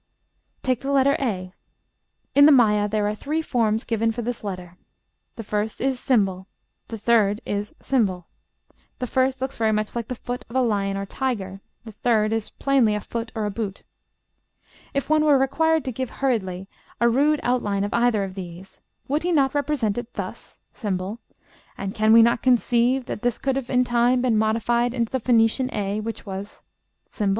Take the letter a. In the Maya there are three forms given for this letter. The first is ###; the third is ###. The first looks very much like the foot of a lion or tiger; the third is plainly a foot or boot. If one were required to give hurriedly a rude outline of either of these, would he not represent it thus, ###; and can we not conceive that this could have been in time modified into the Phoenician a, which was ###?